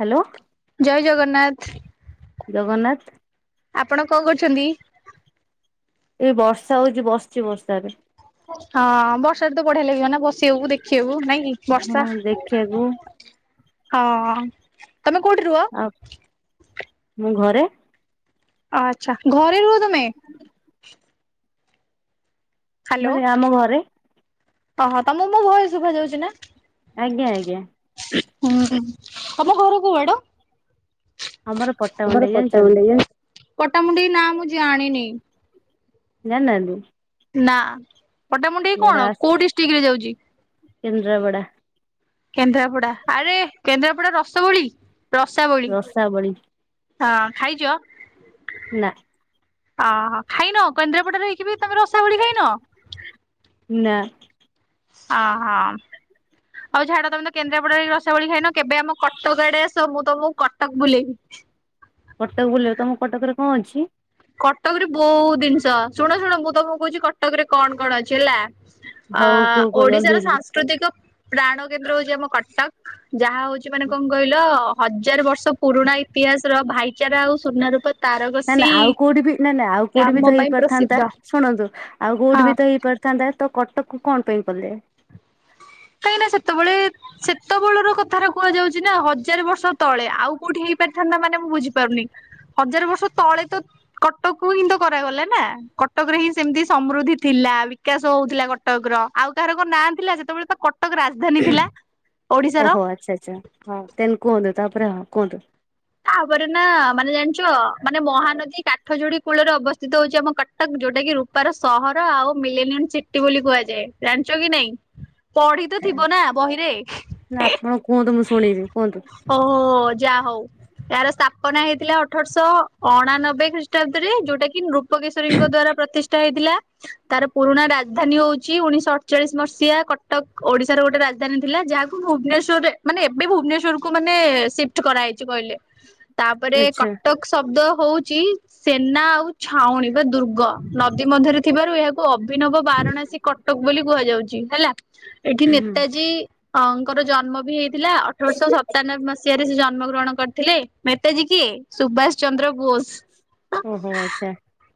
Hello. ଜୟ ଜଗନ୍ନାଥ। ଜଗନ୍ନାଥ। ଆପଣ କଣ କରୁଛନ୍ତି? ଏଇ ବର୍ଷା ହଉଛି ବସିଛି ବର୍ଷାରେ। ହଁ ବର୍ଷାାରେ ତ ବଢିଆ ଲାଗିବ ନା ବସିବାକୁ ଦେଖିବାକୁ। ନାଇଁକି ବର୍ଷା, ହଁ ଦେଖିବାକୁ ହଁ ତମେ କୋଉଠି ରୁହ? ଆଉ ମୁଁ ଘରେ। ଆଚ୍ଛା ଘରେ ରୁହ ତମେ? ମାନେ ଆମ ଘରେ। ହଁ ହଁ ତମକୁ ମୋ ଭଏସ୍ ଶୁଭା ଯାଉଛି ନା? ଆଜ୍ଞା ଆଜ୍ଞା। ତମ ଘର କଉ ଆଡ? ଆମର ପଟ୍ଟା ଘର ମଣ୍ଡେଇ ପଟାମୁଣ୍ଡେଇ ଜାଣିଛନ୍ତି ବା, ପଟାମୁଣ୍ଡେଇ ନାଁ ମୁଁ ଜାଣିନି। ଜାଣିନାହାନ୍ତି? ନା ପଟାମୁଣ୍ଡେଇ କଣ କୋଉ ଡିଷ୍ଟ୍ରିକ୍ଟ୍ ରେ ଯାଉଛି? କେନ୍ଦ୍ରାପଡ଼ା। କେନ୍ଦ୍ରାପଡା ଆରେ କେନ୍ଦ୍ରାପଡା ରସବଳି ରସାବଳି। ରସାବଳି ହଁ ଖାଇଛ? ନା। ଆ ହଁ ଖାଇନ କେନ୍ଦ୍ରାପଡାରେ ରହିକି ବି ତମେ ରସାବଳି ଖାଇନ? ନା। ଅ ହଁ। ହଉ ଛାଡ ତମେ ତ କେନ୍ଦ୍ରାପଡାରେ ରସାବଳି ଖାଇନ କେବେ ଆମ କଟକ ଆଡେ ଆସ ମୁଁ ତମକୁ କଟକ ବୁଲେଇିବି। କଟକ ବୁଲେଇବ ତମ କଟକରେ କଣ ଅଛି? କଟକରେ ବହୁତ ଜିନିଷ ଶୁଣ ଶୁଣ ମୁଁ ତମକୁ କହୁଛି କଟକରେ କଣ କଣ ଅଛି ହେଲା। ଅ ହଉ କୁହ କୁହ ଜଲଦି ଓଡିଶାର ଜଲଦି ସାଂସୁ ସାସ୍କୃତିକ ପ୍ରାଣ କେନ୍ଦ୍ର ହଉଛି ଆମ କଟକ, ଯାହା ହଉଛି ମାନେ କଣ କହିଲ ହଜାର ବର୍ଷ। ତ ପୁରୁଣା ଇତିହାସର ଭାଇଚାରା ଆଉ ସୁନା ରୂପା ନା ନା ତାରକସି ଆଉ କୋଉଠି ବି ନା ନା ଆଉ କୋଉଠି ବି ତ ହେଇପାରଥାନ୍ତା ଶୁଣନ୍ତୁ ଆଉ ହଁ। କୋଉଠି ବି ତ ହେଇ ହେଇପାରିଥାନ୍ତା ତ କଟକକୁ କଣ ପାଇଁ କଲେ? କାହିଁକିନା ସେତେବେଳେ। ସେତେବେଳର କଥାଟା କୁହାଯାଉଚି ନା ହଜାର ବର୍ଷ ତଳେ ଆଉ କୋଉଠି ହେଇପାରିଥାନ୍ତା ମାନେ ମୁଁ ବୁଝିପାରୁନି। ହଜାର ବର୍ଷ ତଳେ ତ କଟକ ହିଁ ତ କରାଗଲା ନା କ କଟକରେ ହିଁ ସେମିତି ସମୃଦ୍ଧି ଥିଲା ବିକାଶ ହଉଥିଲା କଟକର ଆଉ ତାହାର କନାଁ ଥିଲା ଯେତେବେଳେ ଆ କଟକ ରାଜ ଓହୋ ଆଚ୍ଛା ଆଛା ହଁ ତେନ କୁହନ୍ତୁ ତାପରେ ହଁ କୁହନ୍ତୁ ତାପରେ ନା ମାନେ ଜାଣିଛ ମାନେ ମହାନଦୀ କା ଠ ଯୋଡ଼ି କୂଳରେ ଅବସ୍ଥିତ ହେଉଛି ଆମ କଟକ ଯୋଉ ଟାକି ରୂପାର ସହର ଆଉ ମିଲେନୀୟମ ସି ସିଟି ବୋଲି କୁହାଯାଏ ଜାଣିଛ କି ନାଇଁ। ପଢି ତ ଥିବ ନା ବହିରେ। ନା ଆପଣ କୁହନ୍ତୁ ମୁଁ ଶୁଣିବି କୁହନ୍ତୁ। ଓହୋ ହୋ ଯା ହଉ। ଏହାର ସ୍ଥାପନା ହେଇଥିଲା ଅଠରଶହ ଅଣାନବେ ଖ୍ରୀଷ୍ଟାବ୍ଦରେ ଯୋଉଟା କି ନୃ ଗ କେଶରୀ ଙ୍କ ଦ୍ଵାରା ପ୍ରତିଷ୍ଠା ହେଇଥିଲା। ତାର ପୁରୁଣା ରାଜଧାନୀ ହଉଛି ଉଣେଇଶହ ଅଠଚାଳିଶ ମସିହା କଟକ ଓଡିଶାର ଗୋଟେ ରାଜଧାନୀ ଥିଲା ଯାହାକୁ ଭୁବନେଶ୍ଵରରେ ମାନେ ଏବେ ଭୁବନେଶ୍ଵରକୁ ମାନେ ସିଫ୍ଟ କରାହେଇଛି କହିଲେ। ତାପରେ ଆଚ୍ଛା କଟକ ଶବ୍ଦ ହଉଛି ସେନା ଆଉ ଛାଉଣୀ ବା ଦୁର ଗ ନଦୀ ମଧ୍ୟରେ ଥିବାରୁ ଏହାକୁ ଅଭିନବ ବାରାଣାସୀ କଟକ ବୋଲି କୁହାଯାଉଛି ହେଲା। ଏଠି ହୁଁ ନେତାଜୀ ଅଙ୍କର ଜନ୍ମ ବି ହେଇ ଥିଲା ଅଠରଶହ ସତାନବେ ମସିହାରେ ସେ ଜନ୍ମଗ୍ରହଣ କରି ଥିଲେ ମେତାେଜୀ କିଏ ସୁଭାଷ ଚନ୍ଦ୍ର ବୋଷ। ଓହୋ ଆଚ୍ଛା।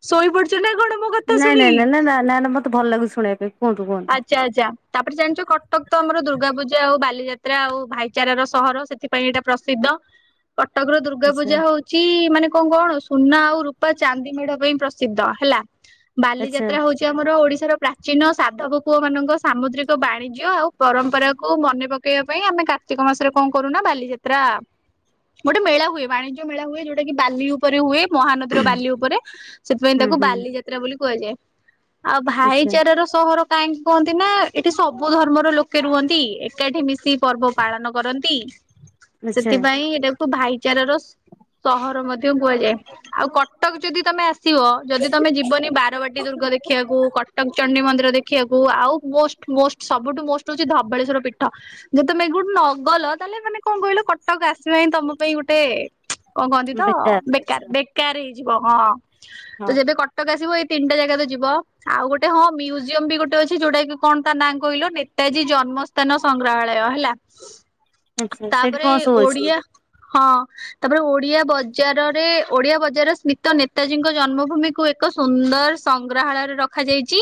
ଶୋଇପଡୁଛ ନା କଣ ମୋ କଥା ନାଇଁ ନାଇଁ ଶୁଣିକି? ନାଇଁ ନା ନା ମତେ ଭଲ ଲାଗୁନି ଶୁଣିବା ପାଇଁ। କୁହନ୍ତୁ କୁହନ୍ତୁ ଆଚ୍ଛା ଆଚ୍ଛା। ତାପରେ ଜାଣିଛ କଟକ ତ ଆମର ଦୁର୍ଗା ପୂଜା ଆଉ ବାଲିଯାତ୍ରା ଆଉ ଭାଇଚାରା ର ସହର ସେଥିପାଇଁ ଏଇଟା ପ୍ରସିଦ୍ଧ। କଟକ ର ଦୁର୍ଗା ଆଚ୍ଛା। ପୂଜା ହଉ ଚି ମାନେ କଣ କଣ ସୁନା ଆଉ ରୂପା ଚାନ୍ଦି ମେଢ ପାଇଁ ପ୍ରସିଦ୍ଧ ହେଲା। ଆଚ୍ଛା ବାଲିଯାତ୍ରା ହଉଛି ଆମର ଓଡିଶାର ପ୍ରାଚୀନ ସାଧବ ପୁଅ ମାନଙ୍କ ସାମୁଦ୍ରିକ ବାଣିଜ୍ୟ ଆଉ ପରମ୍ପରାକୁ ମନେ ପକେଇବା ପାଇଁ ଆମେ କା କାର୍ତ୍ତିକ ମାସରେ କଣ କରୁନା ନା ବାଲିଯାତ୍ରା ଗୋଟେ ମେଳା ହୁଏ ବାଣିଜ୍ୟ ମେଳା ହୁଏ ଯୋଉଟା କି ବାଲି ଉ ଉପରେ ହୁଏ ମହାନଦୀର ବାଲି ଉପରେ ସେଥିପାଇଁ ହୁଁ ତାକୁ ହୁଁ ବାଲି ଯାତ୍ରା ବୋଲି କୁହାଯାଏ। ଆଉ ଆଚ୍ଛା ଭାଇଚାର ର ସହର କାହିଁକି କହନ୍ତି ନା ଏଠି ସବୁ ଧର୍ମର ଲୋକେ ରୁହନ୍ତି ଏକାଠିମିଶି ପର୍ବ ପାଳନକରନ୍ତି। [inaudible] ଆଚ୍ଛା ସେଥିପାଇଁ ଏଇଟାକୁ ଭାଇଚାର ର ସହର ମଧ୍ୟ କୁହାଯାଏ ଆଉ କଟକ ଯଦି ତମେ ଆସିବ ଯଦି ତମେ ଯିବନି ବାରବାଟୀ ଦୁର୍ଗ ଦେଖିବାକୁ କଟକ ଚଣ୍ଡୀମନ୍ଦିର ଦେଖିବାକୁ ଆଉ ମୋଷ୍ଟ ମୋଷ୍ଟ ସବୁଠୁ ମୋଷ୍ଟ ହଉଛି ଧବଳେଶ୍ଵର ପୀଠ। ଯଦି ତମେ ଏଠୁ ନଗଲ ତାହେଲେ ମାନେ କଣ କହିଲ କଟକ ଆସିବା ହିଁ ତମ ପାଇଁ ଗୋଟେ କଣ କହନ୍ତି ତ ବେକାର ବେକାର ହେଇଯିବ ହଁ ତ ହଁ। ଯେବେ କ ଟକ ଆସିବ ଏଇ ତିନଟା ଜାଗାରେ ଯିବ ଆଉ ଗୋଟେ ହଁ ମିଉଜି ଜୀୟମ ବି ଗୋଟେ ଅଛି ଯୋଉଟା କି କଣ ତା ନାଁ କହିଲ ନେତାଜୀ ଜନ୍ମସ୍ଥାନ ସଂଗ୍ରହାଳୟ ହେଲା। ଆଚ୍ଛା ସେଇଠି ତାପରେ କଣ ସବୁ ଅଛି ଓଡିଆ ହଁ ତାପରେ ଓଡିଆ ବଜାରରେ ଓଡିଆ ବଜାର ସ୍ମିତ ନେତାଜୀଙ୍କ ଜନ୍ମଭୂମିକୁ ଏକ ସୁନ୍ଦର ସଂଗ୍ରହାଳୟରେ ରଖାଯାଇଛି।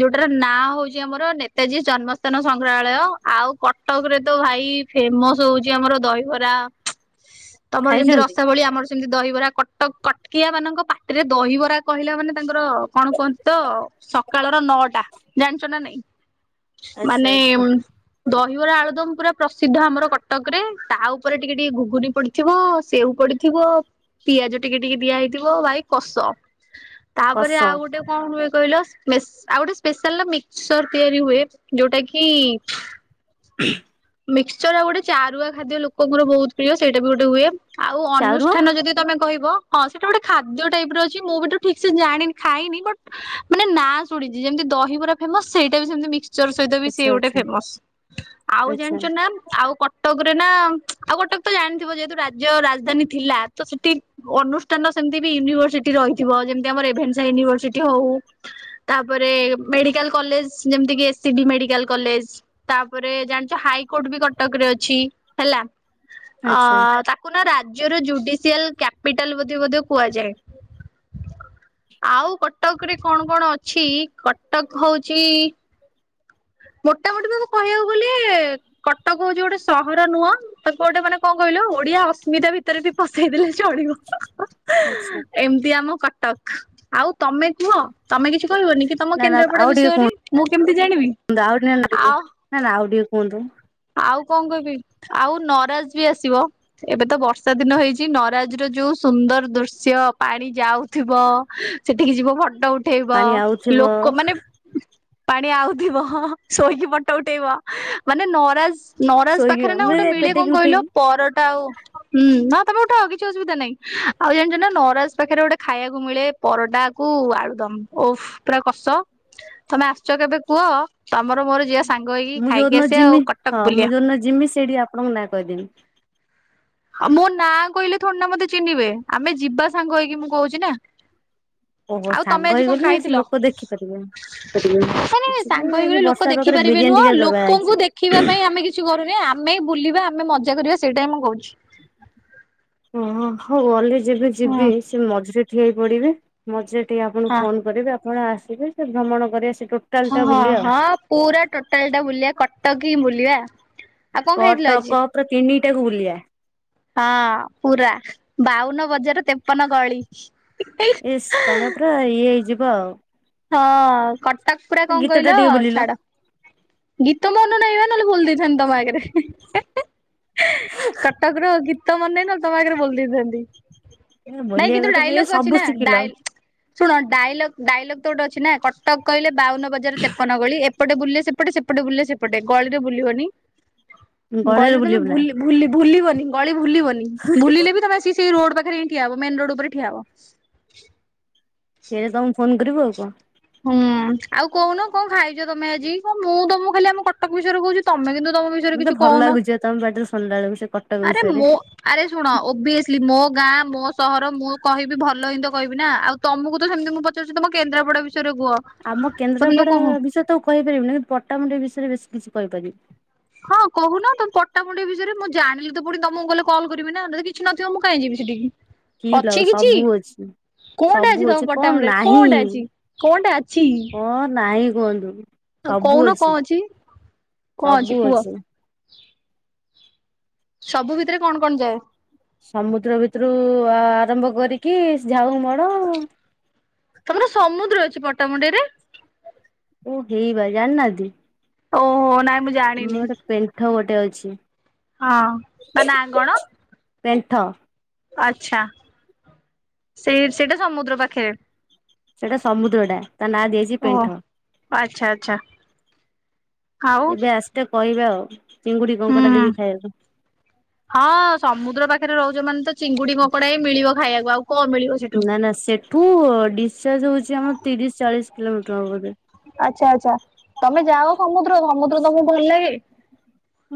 ଯୋଉଟାର ନାଁ ହଉଛି ଆମର ନେତାଜୀ ଜନ୍ମସ୍ଥାନ ସଂଗ୍ରହାଳୟ ଆଉ କଟକ ରେ ତ ଭାଇ ଫେମସ ହଉଛି ଆମର ଦହିହରା ତମର ଯେମିତି ଖାଇଛନ୍ତି ରସ ବଳି ଆମର ସେମତି ଦହିବରା କଟକ କଟକିଆ ମାନଙ୍କ ପାଟିରେ ଦହିବରା କହିଲା ମାନେ ତାଙ୍କର କଣ କୁହନ୍ତି ତ ସକାଳର ନଅଟା ଜାଣିଛ ନା ନାଇଁ ଆଚ୍ଛା ମାନେ ଆଚ୍ଛା ଦହିବରା ଆଳୁଦମ ପୁରା ପ୍ରସିଦ୍ଧ ଆମର କଟକରେ ତା ଉପରେ ଟିକେ ଟିକେ ଘୁଘୁନି ପଡି ଥିବ ସେଉ ପଡିଥିବ ପିଆଜ ଟିକେ ଟିକେ ଦିଆହଇଥିବ ଭାଇ କସ। ତାପରେ କଷ ଆଉ ଗୋଟେ କଣ ହୁଏ କହିଲ ମେସ ଆଉ ଗୋଟେ ସ୍ପେସାଲ ମିକ୍ସଚର ତିଆରି ହୁଏ, ଯୋଉଟା କି [inaudible] ମିକ୍ସଚର ଆଉ ଗୋଟେ ଚାରୁଆ ଖାଦ୍ୟ ଲୋକଙ୍କର ବହୁତ ପ୍ରିୟ ସେଇଟା ବି ଗୋଟେ ହୁଏ। ଆଉ ଚାରୁଆ ଅନୁଷ୍ଠାନ ଯଦି ତମେ କହିବ ହଁ ସେଇଟା ଗୋଟେ ଖାଦ୍ୟ ଟାଇପ୍ ର ଅଛି ମୁଁ ବି ତ ଠିକ୍ସେ ଜାଣିନି, ଖାଇନି। ବଟ୍ ମାନେ ନାଁ ଶୁଣିଛି ଯେମିତି ଦହିବରା ଫେମସ ସେଇଟା ବି ସେମିତିି ମିକ୍ସ୍ ମିକ୍ସଚର ସହିତ ବି ସିଏ ଆଚ୍ଛା ଗୋଟେ ଆଚ୍ଛା ଫେମସ୍। ଆଉ ଆଚ୍ଛା ଜାଣିଛୁ ଆଉ କଟକ ରେ ନା ଆଉ ଗୋଟେ ତ ଜାଣିଥିବ ଯେହେତୁ ରାଜ୍ୟର ରାଜଧାନୀ ଥିଲା, ତ ସେଠି ଅନୁଷ୍ଠାନ ସେମିତି ବି ୟୁନିଭରସିଟି ରହିଁଥିବ ଯେମିତି ଆମର ରେଭେନ୍ସା ୟୁନିଭର୍ସିଟି ହଉ। ତାପରେ ମେଡିକାଲ କଲେଜ୍ ଯେମତି କି S C B medical college. ତାପରେ ଜା ହାଇକୋର୍ଟ ବି କଟକରେ ଅଛି ହେଲା। ଅ ଆଚ୍ଛା ତା ତାକୁ ନା ରାଜ୍ୟର ଜୁଡିସିଆଲ କ୍ୟାପିଟାଲ ବୋଧେ ବୋଧେ କୁହାଯାଏ। ଆଉ କଟକ ରେ କଣ କଣ ଅଛି? କଟକ ହଉଛି ମୋଟାମୋଟି ତାକୁ କହିବାକୁ ଗଲେ କଟକ ହଉଛି ଗୋଟେ ସହର ନୁହଁ। ତାକୁ ଗୋଟେମାନେ କଣ କହିଲୁ ଓଡିଆ ଅସ୍ମିତା ଭିତରେ ବି ପସେଇଦଲେ ଚଲିବ। ଆଚ୍ଛା। ଏମିତି ଆମ କଟକ। ଆଉ ତମେ କୁହ, ତମେ କିଛି କହିବନି କି ତମ ନା ନା କେନ୍ଦ୍ରାପଡ଼ା ଆଉ ଟିକେ ବିଷୟରେ? କୁହନ୍ତୁ ମୁଁ କେମିତି ଜାଣିବି। [unintelligible] ନା ଆଉ ନା ଆଉଟିକେ କୁହନ୍ତୁ। ଆଉ କଣ କହିବି? ଆଉ ନରାଜ ବି ଆସିବ। ଏବେ ତ ବର୍ଷାଦିନ ହେଇଛି ନରାଜର ଯୋଉ ସୁନ୍ଦରଦୃଶ୍ୟ! ପାଣି ଯାଉଥିବ। ସେଠିକି ଯିବ ଫଟୋ ଉଠେଇବ। ପାଣି ଆଉଥିବ ଲୋକ ମାନେ ପାଣି ଆଉଥିବ ଶୋଇକି ଫଟୋ ଉଠେଇବ। ମାନେ ନରାଜ ନରାଜ ଶୋଇକି ପାଖରେ ନା ମୁଁ ଗୋଟେ ଏବେ ମିଳେ କଣ ପେଟେଇକି ଉଠେଇବି। କହିଲ- ପରଟା ଆଉ ହୁଁ ହଁ ତମେ ଉଠ କିଛି ଅସୁବିଧା ନାହିଁ, ଆଉ ଜାଣିଛ ନା ନରାଜ ପାଖରେ ଗୋଟେ ଖାଇବାକୁ ମିଳେ ପରଟାକୁ ଆଳୁଦମ୍। ଓଫ୍ ପୁରା କଷ। ତମେ ଆସୁଛ କେବେ କୁହ? ତମର ମୋର ଜିଆ ସାଙ୍ଗ ହେଇକି ମୁଁ ଖାଇକି ଯୋଉଦିନ ଆସିଆ ଆଉ ଯିମି କଟ୍ ହଁ ମୁଁ ଯୋଉଦିନ ଜିମି ସେଇଠି ଆପଣଙ୍କ ନାଁ କହିଦେବି। ଆଉ ମୋ ନାଁ କହିଲେ ଥୋଡି ନା ମତେ ଚିହ୍ନିବେ, ଆମେ ଯିବା ସାଙ୍ଗ ହେଇକି ମୁଁ କହୁଛି ନା। ଓହୋ ଆଉ ସାଙ୍ଗ ତମେ ଆଜି କଣ ହେଇଗଲେ ନା ସେ ଖାଇଥିଲ? ଲୋକ ଦେଖିପାରିବେ। ମାନେ ସାଙ୍ଗ କିଛି ନାଇଁ ଆଜି ହେଇକିଗଲେ ଲୋ ଲୋକ ବର୍ଷା ପାଗରେ ଦେଖିପାରିବେ ବିରିୟାନୀ ନୁହଁ ଟିକେ ଦବା ହେଇଛି। ଲୋକଙ୍କୁ ଦେଖିବା ପାଇଁ ଆମେ କି କିଛି କରୁନେ। ଆମେ ବୁଲିବା, ଆମେ ମଜା କରିବା, ସେଇଟା ହିଁ ମୁଁ କହୁଛି। ଓ ହଉ ଗଲେ ଯେବେ ହୁଁ ଯିବି ସେ ମଝିରେ ଠିଆହେଇ ପଡିବେ। ମଝିରେ ଟିକେ ହଁ ଆପଣଙ୍କୁ ଫୋନ କରିବି ଆପଣ ଆସିବେ ସେଠୁ ଭ୍ରମଣ କରିବା। ସେ ହଁ ଟା ବୁଲିବା ଆଉ। ହଁ ପୁରା ଟୋଟାଲ ଟା ବୁଲିବା କଟକ ହିଁ ବୁଲିବା। ଆଉ କଣ କ ଖାଇଥିଲ ଟ ଆଜି? କ ପୁରା ତିନିଟାକୁ ବୁଲିଆ। ହଁ, ପୁରା। ବାଉନବଜାର ତେପନ ଗଳି। ଇସ୍, ତମେ ପୁରା ଇଏ ହେଇଯିବ ଆଉ। ହଁ, କଟକ ପୁରା କଣ ଗୀତ ଟା ଟିକେ କହିଲ- ବୋଲିଲ। ଛାଡ। ଗୀତ ମନ ନାଇଁବା ନହେଲେ ବୋଲି ଦେଇଥାନ୍ତି ତମ ଆଗରେ। କଟକ ର ଗୀ ଗୀତ ମନେ ନାଇଁ ନହଲେ ତମ ଆଗରେ ବୋଲି ଦେଇଥାନ୍ତି, ନାଇଁ ବୋଲିବା କିନ୍ତୁ କଥା ଏ ଡାଇଲଗ୍ ଅଛି ସବୁ ନା। ଶିଖିଲ ଡ଼ାଇ ଶୁଣ ଡାଇଲଗ୍, ଡାଇଲଗ୍ ତ ଗୋଟେ ଅଛି ନା କଟକ କହିଲେ ବାଉନ ବଜାର ତେପନ ଗଳି ଏପଟେ ବୁଲିଲେ ସେପ ସେପଟେ ସେପଟେ ବୁଲିଲେ ସେପଟେ ଗଳିରେ ବୁଲିବନି। ଗଳେରେ ଗଳିରେ ତମେ ବୁଲିବୁନା ଭୁଲି ଭୁଲି ଭୁଲିବନି ଗଳି ଭୁଲିବନି ଭୁଲିଲେ ବି ତମେ ଆସି ସେଇ ରୋଡ ପାଖରେ ହିଁ ଠିଆହବୁ ମେନ୍ ରୋଡ ଉପରେ ଠିଆହବ। ଠିଆହେଇ ତମକୁ ଫୋନ କରିବୁ ଆଉ କଣ। ହୁଁ ଆଉ କୋହୁନ କଣ ଖାଇଚ ତମେ ଆଜି? ହ ମୁଁ ତମକୁ ଖାଲି ଆମ କଟକ ବିଷୟରେ କୋହୁଚି ତମେ କିନ୍ତୁ ତମ ବିଷୟରେ ମତେ କିଛି ଭଲ କୋହୁନ ଲାଗୁଛି ତମ ପାଟିରୁ ଶୁଣିଲା ବେଳକୁ ସେ କଟକ ଆରେ ବିଷୟରେ। ମୋ ଆରେ ଶୁଣ ଓବିଏସେଲି ମୋ ଗାଁ ମୋ ସହର ମୁଁ କହିବି ଭଲ ହିଁ ତ କହିବି ନା ଆଉ ତମକୁ ତ ସେମିତି ମୁଁ ପଚାରୁଚି ତମ କେନ୍ଦ୍ରାପଡ଼ା ବିଷୟରେ କୁହ। ଆମ ତମେ ତ କେନ୍ଦ୍ରାପଡା କହୁ ବିଷୟରେ ତ ଆଉ କହିପାରିବିନି କିନ୍ତୁ ପଟ୍ଟାମୁଣ୍ଡେଇ ବିଷୟରେ ବେଶୀ କିଛି କହିପାରିବି। ହଁ କୋହୁନ ତମ ପଟ୍ଟାମୁଣ୍ଡେଇ ବିଷୟରେ ମୁଁ ଜାଣିଲେ ତ ପୁଣି ତମକୁ ଗଲେ କଲ୍ କରିବି ନା ଯଦି କି କିଛି ନଥିବ ମୁଁ କାଇଁ ଯିବି ସେଠିକି। କି ଲ ଅଛି କିଛି ସବୁ ଅଛି‌। କଣଟା ସବୁ ତମ ଅଛି କଣ ପଟ୍ଟାମୁଣ୍ଡେଇ ନାହିଁ କଣଟା ଅଛି କଣଟା ଅଛି? କଣ ନାହିଁ କୁହନ୍ତୁ। ଆଉ ସବୁ କହୁନ କଣ ଅଛି କଣ ସବୁ କୁହ? ଅଛି। ସବୁ ଭିତରେ କଣ କଣ ଯାଏ? ସମୁଦ୍ର ଭିତୁରୁ ଆରମ୍ଭ କରିକି ଝାଉଁ ମଣ। ତମର ସମୁଦ୍ର ଅଛି ପଟ୍ଟାମୁଣ୍ଡେଇରେ ଓ ହେଇ ବା ଜାଣିନାହାନ୍ତି। ଓହୋ ନାଇଁ ମୁଁ ଜାଣିନି ଆମର ଗୋଟେ ପେଣ୍ଠ ଗୋଟେ ଅଛି। ହଁ ତା ନାଁ କଣ? ପେଣ୍ଠ। ଆଛା ସେଇ ସେଇଟା ସମୁଦ୍ର ପାଖେରେ। ସେଟା ସମୁଦ୍ରଟା ତା ନାଁ ଦିଆ ହେଇଛି। ଓ ଆଚ୍ଛା ଆଚ୍ଛା ଆଉ। [unintelligible] କହିବା ଆଉ ଚିଙ୍ଗୁଡି କଙ୍କଡ଼ା ହୁଁ। ଦେବି ଖାଇବାକୁ। ହଁ ସମୁଦ୍ର ପାଖେରେ ରହୁଚ ମାନେ ତ ଚିଙ୍ଗୁଡି କଙ୍କଡା ହିଁ ମିଳିବ ଖାଇବାକୁ ଆଉ କଣ ମିଳିବ। ସେଠୁ। ନା ନା ସେଠୁ ଡିସଚାର୍ଜ ହଉଚି ଆମର ତିରିଶି ଚାଳିଶି କିଲୋମିଟର ହବ ବୋଧେ। ଆଚ୍ଛା ଆଚ୍ଛା ତମେ ଯାଅ ସମୁଦ୍ରକୁ ସମୁଦ୍ର ତମକୁ ଭଲ ଲାଗେ?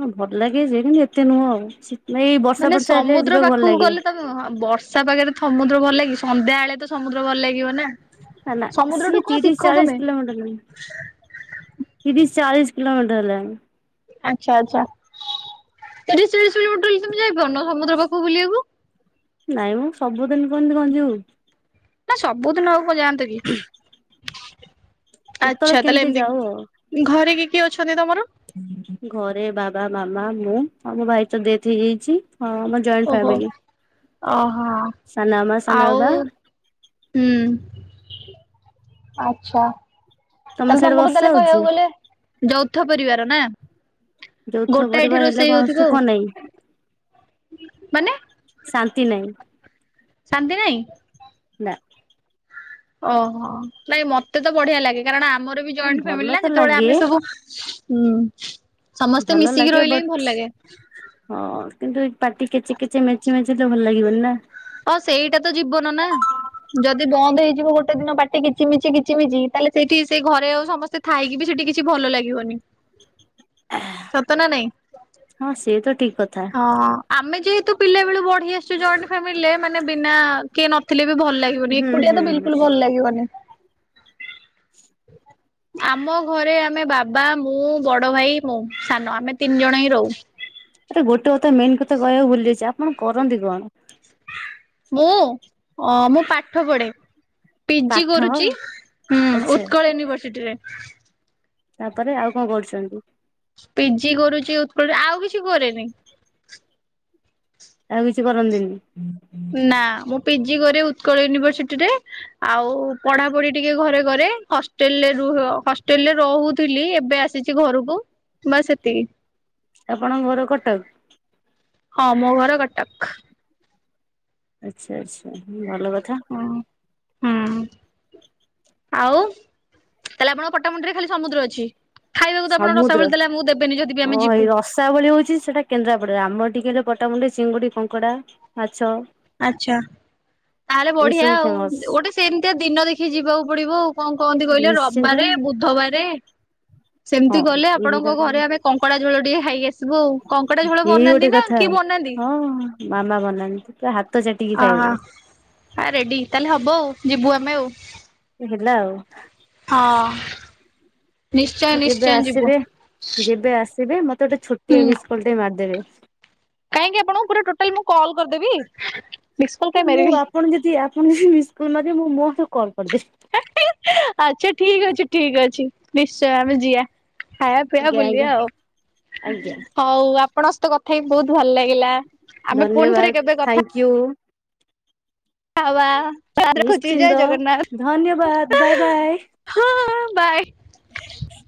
ହଁ ଭଲ ଲାଗେ ଯେ କିନ୍ତୁ ଏତେ ନୁହଁ ଆଉ ଏଇ ବର୍ଷା ଫର୍ଷା ହେଲେ ଯିବାକୁ ଭଲ ଲାଗେ। ହଁ ବର୍ଷା ପାାଗରେ ଥମୁଦ୍ର ଭଲ ଲାଗିବ ସନ୍ଧ୍ୟାଏଳେ ତ ସମୁଦ୍ର ଭଲ ଲାଗିବ ନା। ହେଲା ସମୁଦ୍ରଠୁ ସିଏ କଣ ତିରିଶି ଶିଖ ତମେ ଚାଳିଶି କିଲୋମିଟର। ତିରିଶି ଚାଳିଶି କିଲୋମିଟର ହେଲାଣି। ଆଚ୍ଛା ଆଚ୍ଛା ତିରିଶି ଚାଳିଶି କିଲୋମିଟଲ ତମେ ଯାଇପାରୁନ ସମୁଦ୍ର ପାଖକୁ ବୁଲିବାକୁ। ନାଇଁ ମ ସବୁଦିନି କେମିତି କଣ ଯିବୁ? ଆ ସବୁଦିନ ଆଉ କଣ ଯାଆନ୍ତ କି କେତେବେଳେ ଆଚ୍ଛା ତାହେଲେ କେମିତି ଯାଉ ଆଉ ଏମିତି। ଘରେ କିଏ କିଏ ଅଛନ୍ତି ତମର? ଘରେ ବାବା ମାମା ମୁଁ ଆଉ ମୋ ଭାଇ ତ ଡେଥ୍ ହେଇଯାଇଛି ହଁ। ମା ଜଏଣ୍ଟ ଓହୋ। ଫ୍ୟାମିଲି ଓହୋ ସାନାମା ସାନ ଆଉ ବାବା। ହୁଁ ଆଚ୍ଛା। ତମ ତାହେଲେ ସିଆଡେ ତମର ବର୍ଷା ତାହେଲେ ହଉଛି? କହିବାକୁ ଗଲେ ଯୌଥ ପରିବାର ନା। ଯୌଥ ଗୋଟାଏଠି ପରିବାର ହେଲେ ରୋଷେଇ କଣ ହଉଥିବ ଆଉ ସୁଖ ନାହିଁ? ମାନେ ଶାନ୍ତି ନାହିଁ। ଶାନ୍ତି ନାଇଁ। ନା ଓହୋ ନାଇଁ ମତେ ତ ବଢିଆ ଲାଗେ। କାରଣ ଆମର ବି ଜଏଣ୍ଟ ଭଲ ଫ୍ୟାମିଲି ନା ତ ଯେତେବେଳେ ଲାଗେ ଆମେ ସବୁ ହୁଁ। ସମସ୍ତେ ଭଲ ମିଶିକି ଲାଗେ ରହିଲେ ହିଁ ଭଲ ବଟ୍ ଲାଗେ ହଁ କିନ୍ତୁ ଏ ପାଟି କେଚି କେଚି ମେଞ୍ଚି ମେଚ ତ ଭଲ ଲାଗିବନି ନା ହଁ ସେଇଟା ତ ଯିବନ ନା। ଯଦି ବନ୍ଦ ହେଇଯିବ ଗୋଟେ ଦିନ ପାଟି କିଚି ମିଚି କିଚି ମିଚି ତାହେଲେ ସେଇଠି ସେଇ ଘରେ ଆଉ ସମସ୍ତେ ଥାଇକି ବି ସେଠି କିଛି ଭଲ ଲାଗିବନି। ସତ ନା ନାଇଁ ହଁ ସେ ତ ଠିକ କଥା। ହଁ। ଆମେ ଯେହେତୁ ପିଲା ବେଳୁ ବଢି ଆସିଛୁ ଜଏଣ୍ଟ ଫ୍ୟାମିଲିରେ ମାନେ ବିନା କିଏ ନଥିଲେ ବି ଭଲ ଲାଗେ ହୁଁ ଏକୁଟିଆ ହୁଁ ତ ହୁଁ। ବିଲକୁଲ୍ ଭଲ ଲାଗିବନି। ଆମ ଘରେ ଆମେ ବାବା ମୁଁ ବଡ ଭାଇ ମୁଁ ସାନ ଆମେ ତିନି ଜଣ ହିଁ ରହୁ। ଆରେ ଗୋଟେ କଥା ମେନ୍ କଥା କହିବାକୁ ଭୁଲି ଯାଇଛି ଆପଣ କରନ୍ତି କଣ? ମୁଁ ଅ ମୁଁ ପାଠ ପଢେ। ପିଜି ପାଠ କରୁଛି ହୁଁ ଆଚ୍ଛା ଉତ୍କଳ ୟୁନିଭରସିଟିରେ। ତାପରେ ଆଉ କଣ କରୁଛନ୍ତି? ପିଜି କରୁଛି ଉତ୍କଳରେ ଆଉ କିଛି କରେନି। ଆଉ କିଛି କରନ୍ତିନି? ନା ମୁଁ ପିଜି କରେ ଉତ୍କଳ ୟୁନିଭଏସିଟିରେ ଆଉ ପଢାପଢି ଟିକେ ଘରେ କରେ ହଷ୍ଟେଲରେ ର ହଷ୍ଟେଲରେ ରହୁଥିଲି ଏବେ ଆସି ଆସିଛି ଘରକୁ ବାସ୍ ସେତିକି। ଆପଣଙ୍କ ଘର କଟକ? ହଁ ମୋ ଘର କଟକ। ଆଚ୍ଛା ଆଚ୍ଛା ହୁଁ ଭଲ କଥା। ହଁ, ହୁଁ। ଆଉ ତାହେଲେ ଆପଣଙ୍କ ପଟାମୁଣ୍ତେଇ ରେଖାଲି ସମୁଦ୍ର ଅଛି? ଖାଇବାକୁ ତ ଆପଣ ରସାଵଳି ଦେଲେ ଆମକୁ ଦେବେନି ଯଦି ବି ଆମେ ଯିବୁ। ରଶାବଳି ହେଉଛି ସେଇଟା କେନ୍ଦ୍ରାପଡ଼ାରେ ଆମର ଏଠିକାର ପଟାମୁଣ୍ଡେଇ ଚିଙ୍ଗୁଡ଼ି, କଙ୍କଡ଼ା, ମାଛ ଆଚ୍ଛା। ତାହେଲେ ଏଇ ବଢିଆ ସବୁ ଆଉ ଫେମସ ଗୋଟେ ସେମିତିଆ ଦିନ ଦେଖି ଯିବାକୁ ପଡିବ ଆଉ କଣ କହନ୍ତି କହିଲେ ରବ ନିଶ୍ଚିନ୍ତ ବାରେ, ବୁଧବାରେ ସେମିତି ହଁ ଗଲେ ଏଇ ଆପଣଙ୍କ ଦିଟା ଘରେ ଆମେ କଙ୍କଡା ଝୋଳ ଟିକେ ଖାଇକ ଆସିବୁ ଆଉ କଙ୍କଡା ଝୋଳ ଏଇ ଗୋଟେ ବନାନ୍ତି ନା କଥା କିଏ ବନାନ୍ତି? ହଁ ମାମା ବନନ୍ତିି ପୁରା ହାତ ଚାଟିକି ଅ ଖାଇବେ ହଁ ଆ ରେଡି ତାହେଲେ ହବ ଆଉ ଯିବୁ ଆମେ ଆଉ। ହେଲା ଆଉ। ହଁ। ନିଶ୍ଚୟ ମୁଁ ଯେବେ ନିଶ୍ଚୟ ଯିବୁ ଆସିବେ ଯେବେ ଆସିବେ ମତେ ଗୋଟେ ଛୋଟିଆ ହୁଁ ମିସକଲ ଟେ ମାରିଦେବେ। କାହିଁକି ଆପଣଙ୍କୁ ପୁରା ଟୋଟାଲ ମୁଁ କଲ୍ କରିଦେବି ମିସକଲ୍ ନା କାହିଁ ମୁଁ ମାରିବି। ଆପଣ ଯଦି ଆପଣ ଯଦି ମିସକଲ୍ ମାରିଵେ ମୁଁ ମୋ ସହ କଲ କରିଦେଵି [unintelligible] [unintelligible] ଆଛା ଠିକ୍ ଅଛି ଠିକ୍ ଅଛି ନିଶ୍ଚୟ ଆମେ ଯିବା। ଖାଇବା ପିଇବା ଆଜ୍ଞା ବୁଲିବା ଆଜ୍ଞା ଆଉ। ଆଜ୍ଞା ହଉ ଆପଣଙ୍କ ସହିତ କଥା ହେଇକି ବହୁତ୍ ଭଲ ଲାଗିଲା ଆମେ ପୁଣି ଥରେ କେବେ କଥା କିଉ? ହୱା। ରଖୁଛି ଜୟ ନିଶ୍ଚିନ୍ତ ଧନ୍ୟବାଦ ଜଗନ୍ନାଥ ବାଏ ବାଏ। ହଁ ବାଏ [unintelligible] [inaudible]